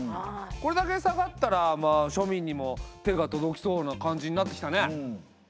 これだけ下がったら庶民にも手が届きそうな感じになってきたね。